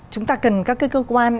chúng ta cần các cơ quan